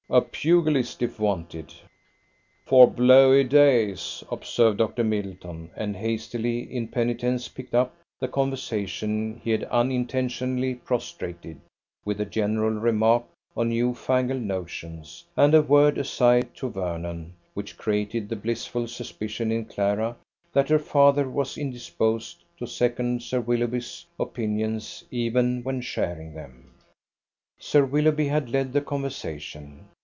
"A pugilist, if wanted." "For blowy days," observed Dr. Middleton, and hastily in penitence picked up the conversation he had unintentionally prostrated, with a general remark on new fangled notions, and a word aside to Vernon; which created the blissful suspicion in Clara that her father was indisposed to second Sir Willoughby's opinions even when sharing them. Sir Willoughby had led the conversation.